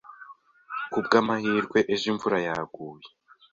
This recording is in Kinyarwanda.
Kubwamahirwe, ejo imvura yaguye.